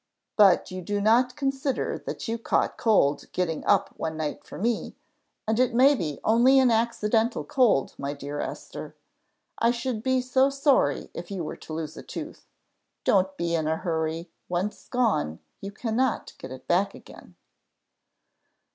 "But you do not consider that you caught cold getting up one night for me; and it may be only an accidental cold, my dear Esther. I should be so sorry if you were to lose a tooth. Don't be in a hurry; once gone, you cannot get it back again."